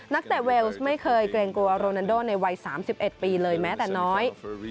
เตะเวลส์ไม่เคยเกรงกลัวโรนันโดในวัย๓๑ปีเลยแม้แต่น้อย